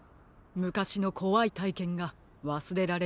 むかしのこわいたいけんがわすれられないのですね。